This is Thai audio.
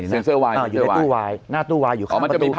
เซ็นเซอร์วายอยู่ในตู้วายหน้าตู้วายอยู่ข้างประตู